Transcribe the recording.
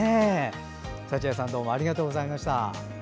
幸枝さんどうもありがとうございました。